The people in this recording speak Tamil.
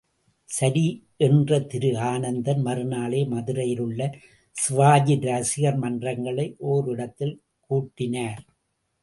சரி என்று திரு ஆனந்தன் மறுநாளே மதுரையிலுள்ள சிவாஜி ரசிகர் மன்றங்களை ஒரு இடத்தில் கூட்டினார்.